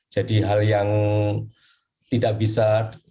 jadi hal yang tidak bisa